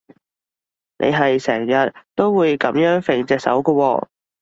你係成日都會噉樣揈隻手㗎喎